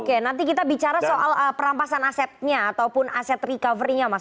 oke nanti kita bicara soal perampasan asetnya ataupun aset recovery nya mas